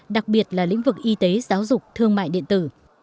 đặc biệt là lĩnh vực y tế giáo dục thương mại điện tử